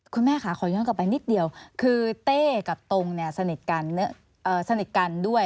คุณแม่ค่ะขอย้อนกลับไปนิดเดียวคือเต้กับตรงเนี่ยสนิทกันด้วย